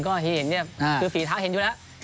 ก็พี่เห็นเหนียวแล้ว